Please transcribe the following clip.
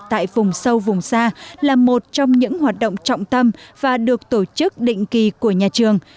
tại vùng sâu vùng xa là một trong những hoạt động trọng tâm và được tổ chức định kỳ của nhà trường